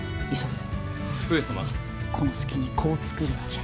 この隙に子を作るのじゃ。